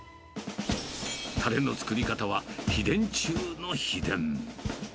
たれの作り方は秘伝中の秘伝。